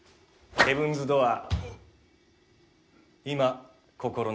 ヘブンズ・ドアー。